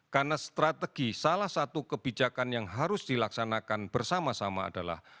karena strategi salah satu kebijakan yang harus dilaksanakan bersama sama adalah